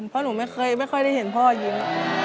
เพราะหนูไม่ได้เคยเห็นพ่อยิ้ม